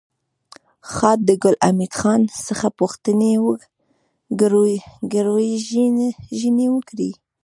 خاد د ګل حمید خان څخه پوښتنې ګروېږنې وکړې